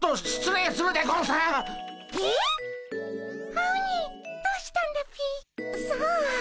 アオニイどうしたんだっピ？さあ。